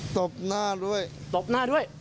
ตบหน้าด้วยตบหน้าด้วย